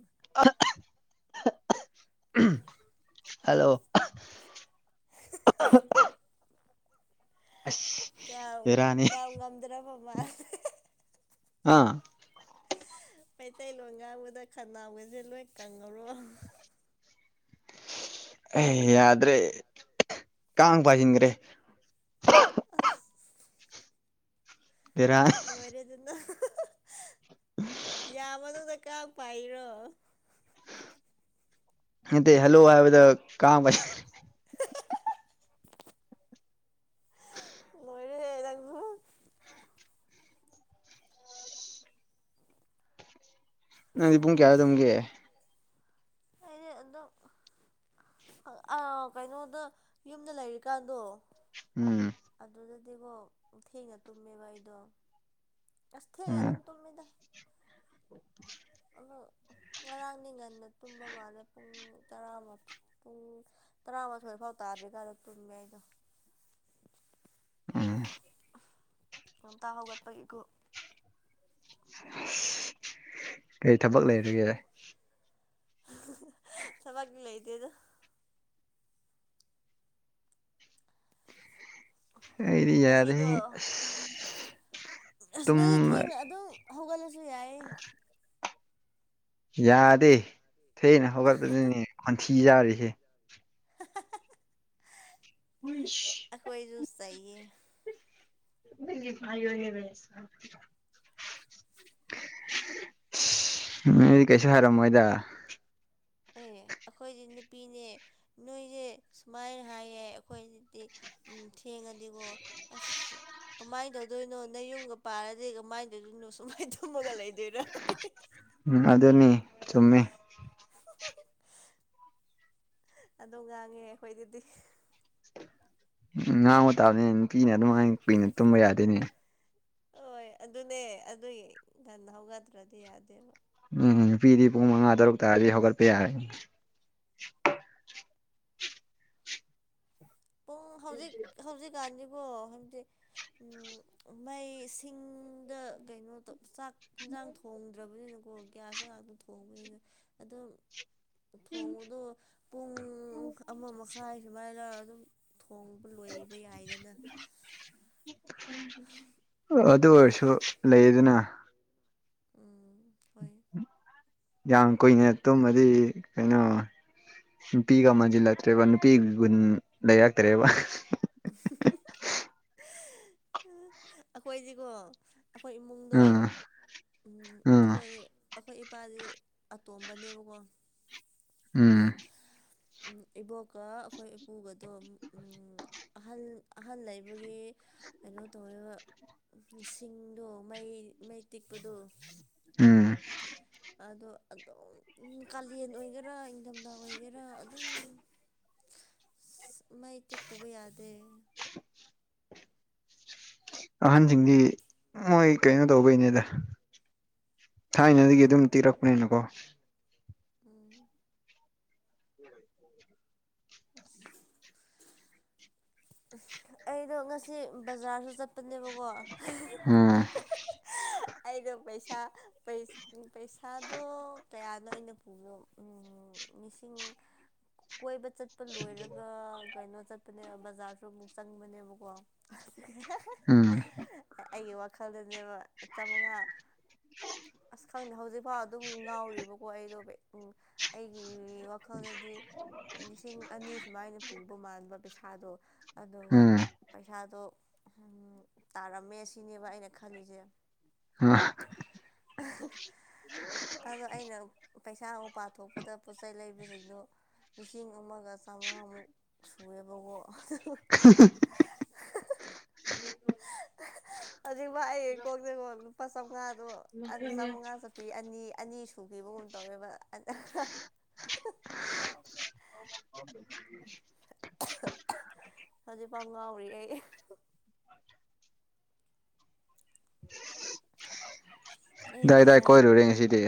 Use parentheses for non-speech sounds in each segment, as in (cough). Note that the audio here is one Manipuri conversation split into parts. ꯎꯝ ꯍꯜꯂꯣ ꯑꯁ ꯆꯥꯎ ꯕꯦꯔꯥꯅꯤ ꯆꯥꯎ ꯉꯝꯗ꯭ꯔꯕ ꯃꯥ ꯑꯥ ꯃꯩꯇꯩꯂꯣꯟ ꯉꯥꯡꯕꯗ ꯈꯅꯥꯎꯕꯁꯦ ꯂꯣꯏ ꯀꯪꯉꯕꯣ ꯑꯦ ꯌꯥꯗ꯭ꯔꯦ ꯀꯥꯡ ꯄꯥꯏꯁꯤꯟꯈ꯭ꯔꯦ ꯑꯁ ꯕꯦꯔꯥ ꯂꯣꯏꯔꯦ ꯑꯗꯨꯅ ꯌꯥꯝꯃꯗ ꯀ ꯄꯥꯏꯔꯣ ꯏ ꯍꯜꯂꯣ ꯍꯥꯏ ꯀꯥꯝ ꯂꯣꯏꯔꯦꯗꯥꯛꯕꯨ ꯅꯪꯗꯤ ꯄꯨꯡ ꯀꯌꯥ ꯑꯗꯨꯝꯒꯦ ꯑꯩꯅ ꯑꯗꯣ ꯑꯥ ꯀꯩꯅꯣꯗ ꯌꯨꯝꯗ ꯂꯩꯔꯤꯀꯥꯟꯗꯣ ꯎꯝ ꯑꯗꯨꯗꯗꯤꯕꯣ ꯊꯦꯡꯅ ꯇꯨꯝꯃꯦꯕ ꯑꯩꯗꯣ ꯑꯁ ꯊꯦꯡꯅ ꯎꯝ ꯑꯗꯨꯝ ꯇꯨꯝꯃꯤꯗ (unintelligible) ꯉꯔꯥꯡꯅꯤ ꯉꯟꯅ ꯇꯨꯝꯕ ꯃꯥꯜꯂꯦ ꯄꯨꯡ ꯇꯔꯥꯃꯨꯛꯇꯤ ꯄꯨꯡ ꯇꯔꯥꯃꯥꯊꯣꯏ ꯐꯥꯎ ꯇꯥꯗ꯭ꯔꯤ ꯀꯥꯗꯣ ꯇꯨꯝꯃꯦ ꯑꯩꯗꯣ ꯎ ꯉꯝꯇ ꯍꯧꯒꯠꯄꯒꯤꯀꯣ ꯀꯔꯤ ꯊꯕꯛ ꯂꯩꯔꯤꯒꯦ ꯊꯃꯛ ꯂꯩꯇꯦꯗ ꯑꯩꯗꯤ ꯌꯥꯔ ꯉꯁꯤꯗꯣ ꯑꯁ ꯅꯣꯏꯗꯤ ꯊꯦꯡꯅ ꯑꯗꯨꯝ ꯍꯧꯒꯠꯂꯁꯨ ꯌꯥꯏꯌꯦ ꯌꯥꯗꯦ ꯊꯅ ꯍꯧꯒꯠꯄꯗꯨꯅꯦ ꯈꯣꯟꯊꯤ ꯌꯥꯥꯔꯤꯁꯦ ꯍꯟꯁ ꯑꯩꯈꯣꯌ ꯁꯨ ꯆꯩ ꯑꯦ ꯅꯪꯒꯤ ꯐꯥꯏ ꯑꯣꯏꯕꯁ ꯃꯤꯗꯤ ꯀꯩꯁꯨ ꯍꯥꯏꯔꯝꯃꯣꯏꯗ ꯑꯦ ꯑꯩꯈꯣꯏꯁꯦ ꯅꯨꯄꯤꯅꯦ ꯅꯣꯏꯁꯦ ꯁꯨꯃꯥꯏꯅ ꯍꯥꯏꯌꯦ ꯑꯩꯈꯣꯏꯁꯤꯗꯤ ꯎꯝ ꯊꯦꯡꯉꯗꯤꯀꯣ ꯑꯁ ꯀꯃꯥꯏꯅ ꯇꯧꯗꯣꯏꯅꯣ ꯅꯪ ꯌꯨꯝꯒ ꯄꯥꯔꯗꯤ ꯀꯃꯥꯏꯅ ꯇꯧꯗꯣꯏꯅꯣ ꯁꯨꯂꯥꯏ ꯇꯨꯝꯃꯒ ꯂꯩꯗꯣꯏꯅꯣ ꯎꯝ ꯑꯗꯨꯅꯤ ꯆꯨꯝꯃꯦ ꯑꯗꯨꯣ ꯉꯥꯡꯉꯦ ꯑꯩꯈꯣꯏꯗꯗꯤ ꯎꯝ ꯉꯍꯥꯡꯕ ꯇꯥꯕꯅꯦ ꯅꯨꯄꯤꯅ ꯑꯗꯨꯃꯥꯏꯅ ꯀꯨꯏꯅ ꯇꯨꯝꯕ ꯌꯥꯗꯣꯏꯅꯦ ꯍꯣꯏ ꯑꯗꯨꯅꯦ ꯑꯗꯨꯒꯤ ꯉꯟ ꯍꯧꯒꯗ꯭ꯔꯗꯤ ꯌꯥꯗꯦꯕ ꯎꯝ ꯅꯨꯄꯤꯗꯤ ꯄꯨꯡ ꯃꯉꯥ ꯇꯔꯨꯛ ꯇꯥꯔꯗꯤ ꯍꯧꯒꯠꯄ ꯌꯥꯔꯦ ꯄꯨꯡ ꯍꯧꯖꯤꯛ ꯍꯧꯖꯤꯛꯀꯥꯟꯗꯤꯕꯣ ꯁꯦ ꯃꯩꯁꯤꯡꯗ ꯀꯩꯅꯣ ꯆꯥꯛ ꯌꯦꯟꯁꯥꯡ ꯊꯣꯡꯗ꯭ꯔꯕꯅꯤꯅꯀꯣ ꯒ꯭ꯌꯥꯁꯇ ꯉꯥꯛꯇꯥ ꯊꯣꯡꯕꯅꯤꯅ ꯑꯗꯨ ꯊꯣꯡꯕꯗꯨ ꯄꯨꯡ ꯑꯃ ꯃꯈꯥꯏ ꯁꯨꯃꯥꯏꯅ ꯑꯗꯨꯝ ꯊꯣꯡꯕ ꯂꯣꯏꯕ ꯌꯥꯏꯗꯅ ꯑꯗꯨ ꯑꯣꯏꯔꯁꯨ ꯂꯩꯗꯅ ꯎꯝ ꯍꯣꯏ ꯌꯥꯝ ꯀꯨꯏꯅ ꯇꯨꯝꯃꯗꯤ ꯀꯩꯅꯣ ꯅꯨꯄꯤꯒ ꯃꯁꯤꯜꯂꯛꯇ꯭ꯔꯦꯕ ꯅꯨꯄꯤꯒꯤ ꯒꯨꯟ ꯂꯩꯔꯛꯇ꯭ꯔꯦꯕ ꯑꯩꯈꯣꯏꯗꯤꯀꯣ ꯑꯩꯈꯣꯏ ꯏꯃꯨꯡꯗꯣ ꯎꯝ ꯎꯝ ꯑꯩꯈꯣꯏ ꯑꯩꯈꯣꯏ ꯏꯄꯥꯗꯤ ꯑꯇꯣꯝꯕꯅꯦꯕꯀꯣ ꯎꯝ ꯑꯗꯨꯗꯤ ꯏꯕꯣꯛꯀ ꯑꯩꯈꯣꯏ ꯏꯄꯨꯒꯗꯣ ꯑꯍꯜ ꯑꯍꯜ ꯂꯩꯕꯒꯤ ꯀꯩꯅꯣ ꯇꯧꯋꯕ ꯁꯤꯡꯗꯣ ꯃꯩ ꯃꯩ ꯇꯤꯛꯄꯗꯣ ꯎꯝ ꯑꯗꯣ ꯑꯗꯨꯝ ꯀꯥꯂꯦꯟ ꯑꯣꯏꯒꯦꯔꯥ ꯏꯪꯊꯝꯊꯥ ꯑꯣꯏꯒꯦꯔꯥ ꯑꯗꯨꯝ (inaudible) ꯑ ꯃꯩ ꯇꯦꯛꯇꯕ ꯌꯥꯗꯦ ꯑꯍꯟꯁꯤꯡꯗꯤ ꯃꯣꯏ ꯀꯩꯅꯣ ꯇꯧꯕꯩꯅꯦꯗ ꯊꯥꯏꯅꯗꯒꯤ ꯑꯗꯨꯝ ꯇꯤꯔꯛꯄꯅꯤꯅꯀꯣ ꯎꯝ (inaudible) ꯑꯁ ꯑꯩꯗꯣ ꯉꯁꯤ ꯕꯖꯥꯔꯁꯨ ꯆꯠꯄꯅꯦꯕꯀꯣ ꯎꯝ ꯑꯩꯗꯣ ꯄꯩꯁꯥ ꯄꯩꯁꯥꯗꯣ ꯀꯌꯥꯅꯣ ꯑꯩꯅ ꯄꯨꯌꯣ ꯎ ꯃꯤꯁꯤꯡ ꯀꯣꯏꯕ ꯆꯠꯄ ꯂꯣꯏꯔꯒ ꯀꯩꯅꯣ ꯆꯠꯄꯅꯦꯕ ꯕꯖꯥꯔꯁꯨ ꯑꯃꯨꯛ ꯆꯪꯕꯅꯦꯕꯀꯣ ꯎꯝ ꯑꯩꯒꯤ ꯋꯥꯈꯜꯗꯅꯦꯕ ꯆꯝꯃꯉꯥ ꯑꯁ ꯈꯪꯗꯦ ꯍꯧꯖꯤꯛꯐꯥꯎ ꯑꯗꯨꯝ ꯉꯥꯎꯔꯤꯕꯀꯣ ꯑꯩꯗꯣ ꯎꯝ ꯑꯩꯒꯤ ꯋꯥꯈꯜꯗꯗꯤ ꯂꯤꯁꯤꯡ ꯑꯅꯤ ꯁꯨꯃꯥꯏꯅ ꯄꯨꯕ ꯃꯥꯟꯕ ꯄꯩꯁꯥꯗꯣ ꯑꯗꯨꯒ ꯎꯝ ꯄꯩꯁꯥꯗꯣ ꯇꯥꯔꯝꯃꯦ ꯁꯤꯅꯦꯕ ꯑꯩꯅ ꯈꯜꯂꯤꯁꯦ ꯑ (inaudible) ꯑꯗꯣ ꯑꯩꯅ ꯄꯩꯁꯥ ꯑꯃ ꯄꯥꯊ ꯊꯣꯛꯄꯗ ꯄꯣꯠ ꯆꯩꯩ ꯂꯩꯕꯁꯤꯡꯗꯣ ꯂꯤꯁꯤꯡ ꯑꯃꯒ ꯆꯥꯝꯃꯉꯥꯃꯨꯛ ꯁꯨꯔꯨꯔꯦꯕꯀꯣ ꯑꯗꯨ ꯍ (inaudible) ꯍꯧꯖꯤꯛ ꯑꯩ ꯀꯣꯛꯇꯀꯣ ꯂꯨꯄꯥ ꯆꯥꯝꯃꯉꯥꯗꯣ ꯑꯗꯨ ꯆꯥꯝꯃꯉꯥ ꯆꯠꯄꯤ ꯑꯅꯤ ꯑꯅꯤ ꯁꯨꯈꯤꯕꯒꯨꯝ ꯇꯧꯋꯦꯕ ꯍꯧꯖꯤꯛꯐꯥꯎ ꯉꯥꯎꯔꯤ ꯑꯩ ꯑꯩꯗꯤ ꯗꯥꯏꯗꯥꯏ ꯄꯩꯁꯥ ꯀꯣꯏꯔꯨꯔꯦ ꯉꯁꯤꯗꯤ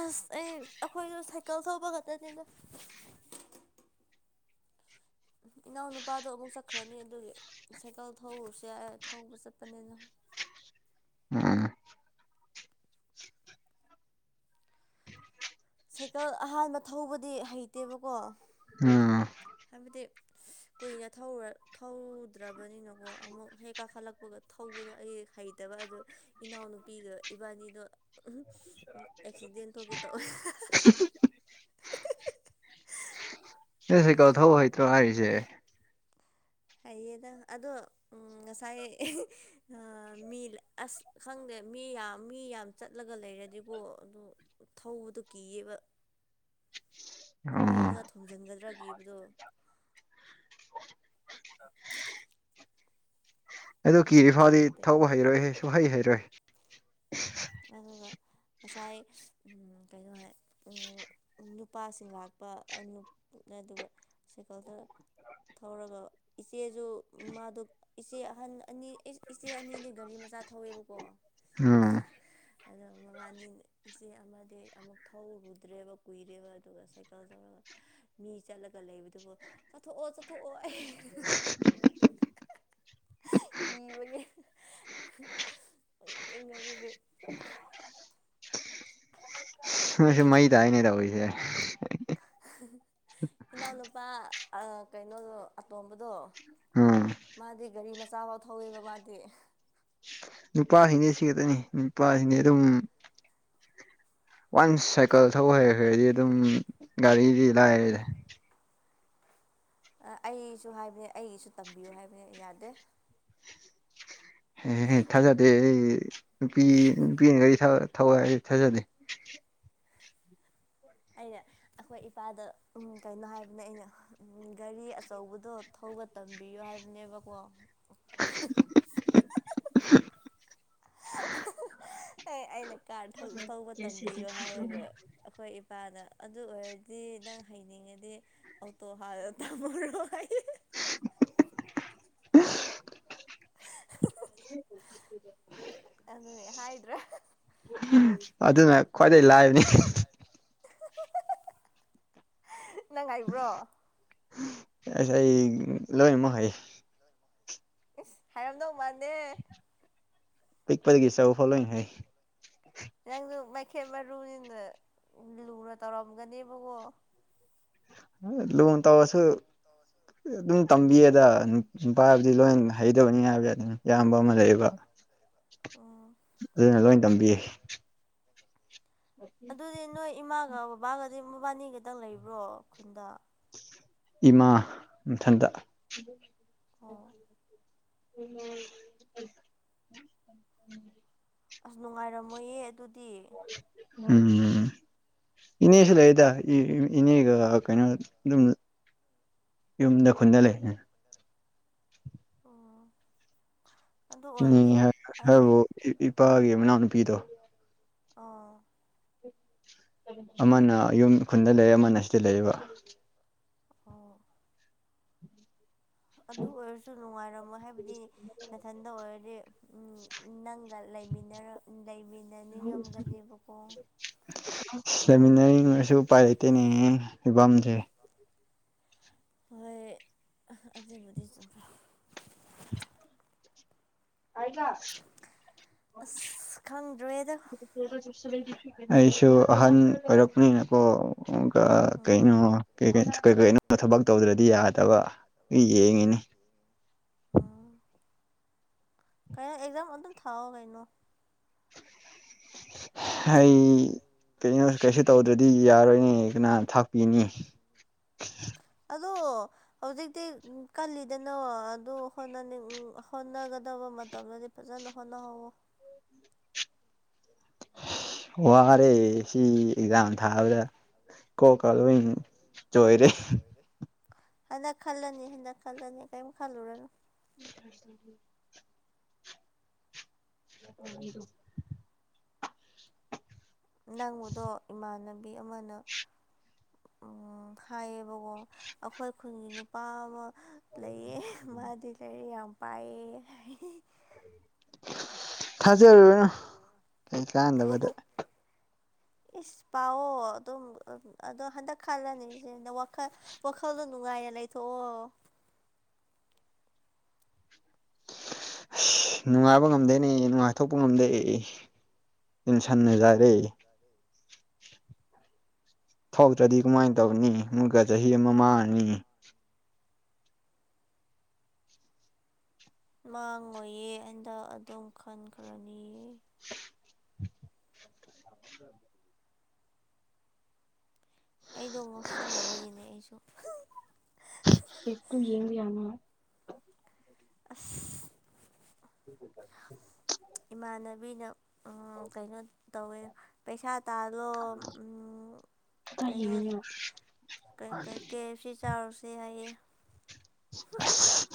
ꯑꯁ ꯑꯩ ꯑꯩꯈꯣꯏꯗ ꯁꯥꯏꯀꯜ ꯊꯧꯕ ꯈꯛꯇꯅꯤꯗ ꯏꯅꯥꯎꯅꯨꯄꯥꯗꯣ ꯑꯃꯨꯛ ꯆꯠꯈ꯭ꯔꯅꯤ ꯑꯗꯨꯒꯤ ꯁꯥꯏꯀꯜ ꯊꯧꯔꯨꯁꯨ ꯌꯥꯏ ꯊꯧꯕ ꯆꯠꯄꯅꯤꯅ ꯎꯝ ꯁꯥꯏꯀꯜ ꯑꯍꯥꯟꯕ ꯊꯧꯕꯗꯤ ꯍꯩꯇꯦꯕꯀꯣ ꯎꯝ ꯍꯥꯏꯕꯗꯤ ꯀꯨꯏꯅ ꯊꯧꯔꯥ ꯊꯧꯗ꯭ꯔꯕꯅꯤꯅꯀꯣ ꯑꯃꯨꯛ ꯍꯦꯛ ꯀꯥꯈꯠꯂꯛꯄꯒ ꯊꯧꯕꯗꯣ ꯑꯩ ꯍꯩꯇꯕ ꯑꯗꯨ ꯏꯅꯥꯎꯅꯨꯄꯤꯗ ꯏꯕꯥꯅꯤꯗꯣ ꯑꯦꯛꯁꯤꯗꯦꯟ ꯊꯣꯛꯀꯦ ꯇꯧꯋꯦ ꯅ ꯁꯩꯀꯜ ꯊꯧ ꯍꯩꯇ꯭ꯔꯣ ꯍꯥꯏꯔꯤꯁꯦ ꯍꯩꯌꯦꯗ ꯑꯗꯣ ꯎꯝ ꯉꯁꯥꯏ ꯃꯤ ꯑꯁ ꯈꯪꯗꯦ ꯃꯤ ꯌꯥꯝ ꯃꯤ ꯌꯥꯝ ꯆꯠꯂꯒ ꯂꯩꯔꯗꯤꯀꯣ ꯑꯗꯨ ꯊꯧꯕꯗꯨꯣ ꯀꯤꯌꯦꯕ ꯎꯝ ꯃꯤꯉꯣꯟꯗ ꯊꯣꯝꯖꯤꯟꯒꯗ꯭ꯔꯥ ꯀꯤꯕꯗꯣ ꯑꯗꯨ ꯀꯤꯔꯤ ꯐꯥꯎꯗꯤ ꯑꯗꯨꯒꯤ ꯇꯟꯕ ꯊꯧꯕ ꯍꯩꯔꯣꯏꯍꯦ ꯁꯨꯡꯍꯩ ꯍꯩꯔꯣꯏ ꯑꯗꯨꯒ ꯉꯁꯥꯏ ꯀꯩꯅꯣ ꯍꯥꯏ ꯅꯨꯄꯥꯁꯤꯡ ꯂꯥꯛꯄ ꯑꯗꯨꯒ ꯁꯥꯏꯀꯜꯗ ꯊꯧꯔꯒ ꯏꯆꯦꯁꯨ ꯃꯥꯗꯨ ꯏꯆꯦ ꯑꯍꯟ ꯑꯅꯤ ꯏꯆꯦ ꯑꯅꯤꯗꯤ ꯒꯥꯔꯤ ꯃꯆꯥ ꯊꯧꯋꯦꯕꯀꯣ ꯎꯝ ꯑꯗꯣ ꯃꯕꯥꯅꯤ ꯏꯆꯦ ꯑꯃꯗꯤ ꯑꯃꯨꯛ ꯊꯧꯔꯨꯗ꯭ꯔꯦꯕ ꯀꯨꯏꯔꯦꯕ ꯑꯗꯨꯒ ꯁꯥꯏꯀꯜ ꯊꯧꯔꯒ ꯃꯤ ꯆꯠꯂꯒ ꯂꯩꯕꯗꯨꯕꯨ ꯆꯠꯊꯣꯛꯑꯣ ꯆꯠꯊꯣꯛꯑꯣ ꯑꯩ (inaudible) ꯀꯤꯕꯒꯤꯅ ꯑꯗꯨꯗꯤ ꯑꯅꯁꯨ ꯃꯩꯗ ꯍꯥꯏꯅꯦ ꯇꯧꯔꯤꯁꯦ ꯏꯅꯥꯎꯅꯨꯄꯥ ꯀꯩꯅꯣꯗꯣ ꯑꯇꯣꯝꯕꯗꯣ ꯎꯝ ꯃꯥꯗꯤ ꯒꯥꯔꯤ ꯃꯆꯥꯐꯥꯎ ꯊꯧꯋꯦꯕ ꯃꯥꯗꯤ ꯅꯨꯄꯥꯁꯤꯅꯦ ꯁꯤ ꯈꯛꯇꯅꯤ ꯅꯨꯄꯥꯁꯤꯅꯦ ꯑꯗꯨꯝ ꯋꯥꯟꯁ ꯁꯥꯏꯀꯜ ꯊꯧ ꯍꯩꯈ꯭ꯔꯗꯤ ꯑꯗꯨꯝ ꯒꯥꯔꯤꯗꯤ ꯂꯥꯏꯔꯗ ꯑꯩꯁꯨ ꯍꯥꯏꯕꯅꯦ ꯑꯩꯒꯤꯁꯨ ꯇꯝꯕꯤꯌꯨ ꯍꯥꯏꯕꯅꯦ ꯌꯥꯗꯦ ꯑꯦ ꯊꯥꯖꯗꯦ ꯑꯩ ꯅꯨꯄꯤ ꯅꯨꯄꯤꯅꯒꯥꯔꯤ ꯊꯧ ꯊꯧꯕ ꯊꯥꯖꯗꯦ ꯑꯩꯅ ꯑꯩꯈꯣꯏ ꯏꯄꯥꯗ ꯀꯩꯅꯣ ꯍꯥꯏꯕꯅꯦ ꯑꯩꯅ ꯒꯥꯔꯤ ꯑꯆꯧꯕꯗꯣ ꯊꯒ ꯇꯝꯕꯤꯌꯣ ꯍꯥꯏꯕꯅꯦꯕꯀꯣ ꯑꯦ ꯑꯩꯅ ꯀꯥꯔ ꯐꯧꯕ ꯇꯝꯕꯤꯌꯣ ꯍꯥꯏꯔꯒ ꯑꯩꯈꯣꯏ ꯏꯄꯥꯗ ꯑꯗꯨ ꯑꯣꯏꯔꯗꯤ ꯅꯪ ꯍꯩꯅꯤꯡꯉꯗꯤ ꯑꯣꯇꯣ ꯇꯝꯃꯨꯔꯣ ꯍꯥꯏꯌꯦ (inaudible) ꯎ ꯑꯗꯨꯅꯦ ꯍꯥꯏꯗ꯭ꯔꯥ ꯑꯗꯨ ꯑꯗꯨ ꯃ ꯅꯪ ꯉꯥꯏꯕ꯭ꯔꯣ ꯑꯁ ꯑꯩ ꯂꯣꯏꯃꯣ ꯍꯥꯏꯌꯦ ꯏꯁꯁ ꯍꯥꯏꯔꯝꯗꯧ ꯃꯥꯥꯟꯅꯦꯦ ꯄꯤꯛꯄꯒꯤꯁꯕꯨ ꯐꯂꯣ ꯍꯥꯏ ꯅꯪꯁꯨ ꯃꯥꯏꯈꯦꯠ ꯃꯔꯨꯅꯤꯅ ꯂꯨꯅ ꯇꯧꯔꯝꯒꯅꯦꯕꯀꯣ ꯂꯨ ꯇꯧꯔꯁꯨ ꯑꯗꯨꯝ ꯇꯝꯕꯤꯌꯦꯗ ꯄꯥꯏꯕꯗꯤ ꯂꯣꯏ ꯍꯩꯇꯕꯅꯤ ꯍꯥꯏꯕꯁ ꯑꯗꯨꯝ ꯏꯌꯥꯝꯕ ꯑꯃ ꯂꯩꯌꯦꯕ ꯑꯣ ꯑꯗꯨꯅ ꯂꯣꯏ ꯇꯝꯕꯤꯌꯦ ꯑ ꯑꯗꯨꯗꯤ ꯅꯣꯏ ꯏꯃꯥꯒ ꯕꯕꯥꯒꯗꯤ ꯃꯕꯥꯅꯤ ꯈꯛꯇꯪ ꯂꯩꯕ꯭ꯔꯣ ꯈꯨꯟꯗ ꯏꯃꯥ ꯃꯊꯟꯗ ꯑꯣ ꯑꯁ ꯅꯨꯡꯉꯥꯏꯔꯝꯃꯣꯏꯌꯦ ꯑꯗꯨꯗꯤ ꯎꯝ ꯏꯅꯦꯁꯂꯗ ꯏꯅꯦꯒ ꯀꯩꯅꯣ ꯑꯗꯨꯝ ꯌꯨꯝꯗ ꯈꯨꯟꯗ ꯂꯩ ꯑꯣ ꯑꯗꯨ ꯅꯤꯡꯉꯤ ꯑꯣꯏꯔꯁꯨ ꯍꯥꯏ ꯍꯥꯏꯗꯤ ꯍꯥꯏꯕꯨ ꯏꯄꯥꯒꯤ ꯃꯅꯥꯎꯅꯨꯄꯤꯗꯣ ꯑꯥ ꯑꯃꯅ ꯌꯨꯝ ꯈꯨꯟꯗ ꯂꯩꯔ ꯑꯃꯅ ꯁꯤꯗ ꯂꯩꯌꯦꯕ ꯑꯣ ꯑꯗꯨ ꯑꯣꯏꯔꯁꯨ ꯅꯨꯡꯉꯥꯏꯔꯝꯃꯣꯏ ꯍꯥꯏꯕꯗꯤ ꯃꯊꯟꯇ ꯑꯣꯏꯔꯗꯤ ꯅꯪꯒ ꯂꯩꯃꯤꯟꯅꯔ ꯂꯩꯃꯤꯟꯅꯅꯤꯡꯉꯝꯒꯅꯤꯕꯀꯣ ꯂꯩꯃꯤꯟꯅꯅꯤꯡꯉꯁꯨ ꯎꯄꯥꯏ ꯂꯩꯇꯅꯤꯡꯉꯦ ꯐꯤꯕꯝꯁꯦ ꯍꯣꯏ ꯑꯗꯨꯕꯨꯗꯤ ꯆ ꯑꯁ ꯈꯪꯗ꯭ꯔꯦꯗ ꯑꯩꯁꯨ ꯑꯍꯟ ꯑꯣꯏꯔꯛꯄꯅꯤꯅꯀꯣ ꯎꯝ ꯀꯩꯅꯣ ꯀꯩꯀꯣꯅ ꯊꯕꯛ ꯇꯧꯗ꯭ꯔꯗꯤ ꯌꯥꯗꯕ ꯌꯦꯡꯉꯤꯅꯤ ꯑꯣ ꯀꯩꯅꯣ ꯑꯦꯛꯖꯥꯝ ꯑꯗꯨꯝ ꯊꯥꯎꯑꯣ ꯀꯩꯅꯣ ꯑꯩ ꯀꯩꯅꯣ ꯀꯩꯁꯨ ꯇꯧꯗ꯭ꯔꯗꯤ ꯌꯥꯔꯣꯏꯅꯦ ꯀꯅꯥꯅ ꯊꯥꯛꯄꯤꯅꯤ ꯑꯗꯣ ꯍꯧꯖꯤꯛꯇꯤ ꯀꯜꯂꯤꯗꯅ ꯑꯗꯨ ꯍꯣꯠꯅꯅꯤꯡ ꯍꯣꯠꯅꯒꯗꯕ ꯃꯇꯝꯗꯗꯤ ꯐꯖꯅ ꯐꯣꯅꯍꯧꯕꯣ ꯋꯥ ꯑꯦ ꯁꯤ ꯑꯦꯛꯖꯥꯝ ꯊꯥꯕ꯭ꯔꯥ ꯀꯣ ꯀꯂ ꯆꯣꯏꯔꯦ ꯍꯟꯗꯛ ꯈꯜꯂꯅꯤ ꯍꯟꯗꯛ ꯈꯜꯂꯅꯤ ꯀꯔꯤꯝ ꯈꯜꯂꯨꯔꯅꯨ (unintelligible) ꯎꯣ ꯅꯪꯕꯨꯗꯣ ꯏꯃꯥꯟꯅꯕꯤ ꯑꯃꯅ ꯎ ꯍꯥꯏꯌꯦꯕꯀꯣ ꯑꯩꯈꯣꯏ ꯈꯨꯟꯒꯤ ꯅꯨꯄꯥ ꯑꯃ ꯂꯩꯌꯦ ꯃꯥꯗꯤ ꯂꯩꯔꯤ ꯌꯥꯝ ꯄꯥꯏꯑ ꯍꯥꯏ ꯊꯖꯔꯥ (unintelligible) ꯏꯁ ꯄꯥꯛꯑꯣ ꯑꯗꯨꯝ ꯑꯗꯣ ꯍꯟꯗꯛ ꯈꯜꯂꯅꯤꯁꯦꯅ ꯋꯥꯈꯜ ꯋꯥꯈꯜꯗꯣ ꯅꯨꯡꯉꯥꯏꯅ ꯂꯩꯊꯣꯛꯑꯣ ꯑꯁ ꯅꯨꯡꯉꯥꯏꯕ ꯉꯝꯗꯣꯏꯅꯦ ꯅꯨꯡꯉꯥꯏꯊꯣꯛꯄ ꯉꯝꯗꯦ ꯑꯩ ꯑꯗꯨꯝ ꯁꯟꯅꯖꯥꯔꯦꯏ ꯊꯧꯗ꯭ꯔꯗꯤ ꯀꯃꯥꯏꯅ ꯇꯧꯅꯤ ꯃꯨꯛꯀ ꯆꯍꯤ ꯑꯃ ꯃꯥꯡꯉꯅꯤ ꯃꯥꯡꯉꯣꯏꯌꯦ ꯑꯟꯗ ꯑꯗꯨꯝ ꯈꯟꯈ꯭ꯔꯅꯤꯌꯦ ꯑꯩꯗꯣ ꯉꯥꯎꯁꯤꯟꯅꯕꯒꯤꯅꯦ ꯑꯩꯁꯨ ꯍꯨ ꯌꯦꯡꯕꯤꯌꯥ ꯑꯁ ꯎ ꯏꯃꯥꯟꯅꯕꯤꯅ ꯀꯩꯅꯣ ꯇꯧꯋꯦ ꯄꯩꯁꯥ ꯇꯥꯜꯂꯣ ꯇ ꯀꯩꯅꯣ ꯀꯦ ꯑꯦꯐ ꯁꯤ ꯆꯥꯎꯔꯨꯁꯦ ꯍꯥꯏꯌꯦ ꯑꯁ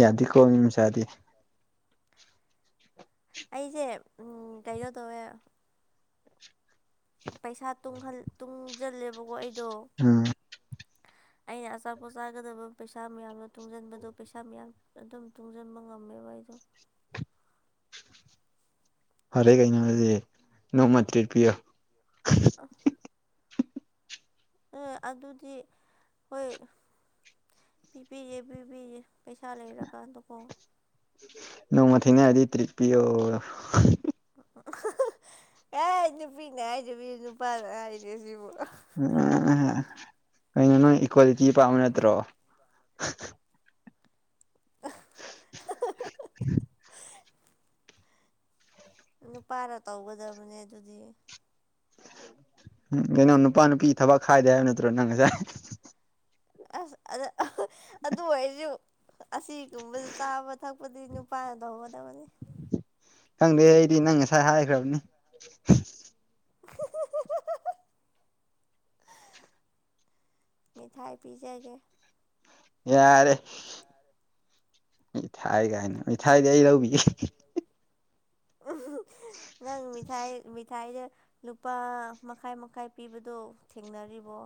ꯌꯥꯗꯦꯀꯣ ꯃꯤ ꯃꯆꯥꯗꯤ ꯑꯩꯁꯦ ꯀꯩꯅꯩꯅꯣ ꯇꯧꯋꯦ ꯄꯩꯁꯥ ꯇꯨꯡꯁꯤꯜꯂꯦꯕꯀꯣ ꯑꯩꯗꯣ ꯑꯝ ꯑꯩꯅ ꯑꯆꯥꯄꯣꯠ ꯆꯥꯒꯗꯕ ꯄꯩꯁꯥ ꯃꯌꯥꯝꯗꯣ ꯇꯨꯡꯁꯤꯟꯕꯗꯣ ꯄꯩꯁꯥ ꯃꯌꯥꯝ ꯑꯗꯨꯝ ꯇꯨꯡꯁꯤꯟꯕ ꯉꯝꯃꯦꯕ ꯑꯩꯗꯣ ꯐꯔꯦ ꯀꯩꯅꯣꯖꯤ ꯅꯣꯡꯃ ꯇꯔꯤꯠ ꯄꯤꯣ ꯑ ꯑꯦ ꯑꯗꯨꯗꯤ ꯍꯣꯏ ꯄꯤꯕꯤꯌꯦ ꯄꯤꯕꯤꯌꯦ ꯄꯩꯁꯥ ꯂꯩꯔꯀꯥꯟꯗꯀꯣ ꯅꯣꯡꯃ ꯊꯦꯡꯅꯔꯗꯤ ꯇ꯭ꯔꯤꯠ ꯄꯤꯌꯣ ꯑꯦ ꯅꯨꯄꯤꯅ ꯍꯥꯏꯗꯕꯤ ꯅꯨꯄꯥꯅ ꯍꯥꯏꯅꯦ ꯁꯤꯕꯨ ꯎꯝ ꯎ ꯀꯩꯅꯣ ꯅꯪ ꯏꯀ꯭ꯋꯥꯂꯤꯇꯤ ꯄꯥꯝꯕ ꯅꯠꯇ꯭ꯔꯣ (unintelligible) ꯅꯨꯄꯥꯅ ꯇꯧꯒꯗꯕꯅꯦ ꯑꯗꯨꯗꯤ ꯀꯩꯅꯣ ꯅꯨꯄꯥ ꯅꯨꯄꯤ ꯊꯕꯛ ꯈꯥꯏꯗꯦ ꯍꯥꯏ ꯅꯠꯇ꯭ꯔꯣ ꯅꯪ ꯉꯁꯦ ꯑꯁ ꯑꯗꯨ ꯑꯣꯏꯁꯨ ꯑꯁꯤꯒꯨꯝꯕꯗ ꯆꯥꯕ ꯊꯛꯄꯗꯤ ꯅꯨꯄꯥꯅꯗꯧꯍꯒꯗꯕꯅꯤ ꯈꯪꯗꯦ ꯑꯩꯗꯤ ꯅꯪ ꯉꯁꯥꯏ ꯍꯥꯏꯈ꯭ꯔꯕꯅꯤ (inaudible) ꯃꯤꯊꯥꯏ ꯄꯤꯖꯒꯦ ꯌꯥꯔꯦ ꯌꯥꯔꯦ ꯃꯤ ꯊꯥꯏ ꯀꯥꯏꯅ ꯃꯤ ꯊꯥꯏꯗꯤ ꯑꯩ ꯂꯧꯕꯤ ꯅꯪ ꯃꯤ ꯃꯤꯊꯥꯏꯗ ꯂꯨꯄꯥ ꯃꯈꯥꯏ ꯃꯈꯥꯏ ꯄꯤꯕꯗꯣ ꯊꯦꯡꯅꯔꯤꯕꯣ